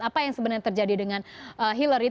apa yang sebenarnya terjadi dengan hillary